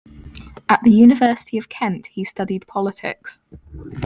At the University of Kent he studied Politics.